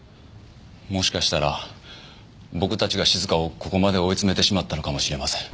もしかしたら僕たちが静香をここまで追い詰めてしまったのかもしれません。